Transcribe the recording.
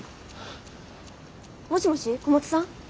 もしもし小松さん？